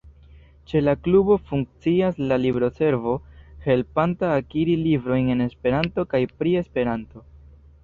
Ĉe la klubo funkcias la libroservo, helpanta akiri librojn en Esperanto kaj pri Esperanto.